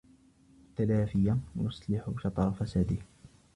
وَالتَّلَافِيَ يُصْلِحُ شَطْرَ فَسَادِهِ